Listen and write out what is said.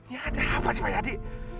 ya ada apa sih pak yadi